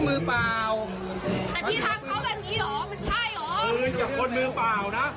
คนละพี่ทำขนาดนี้อะน่ะพี่